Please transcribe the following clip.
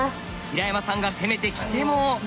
平山さんが攻めてきても。